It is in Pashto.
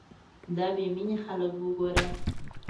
دا بې مينې خلک وګوره